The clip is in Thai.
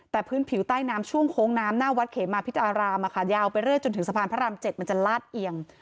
แต่พื้นผิวใต้น้ำช่วงโค้งน้ำหน้าวัดเขมาพิตารามยาวไปเรื่อยจนถึงสะพานพระราม๗มันจะลาดเอียง